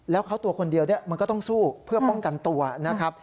แล้วเขาตัวคนเดียวมันก็ต้องสู้เพื่อป้องกันตัวนะครับ